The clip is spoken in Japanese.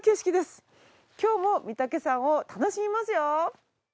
今日も御岳山を楽しみますよ。